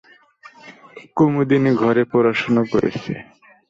কুমুদিনী ঘরে পড়াশুনো করেছে।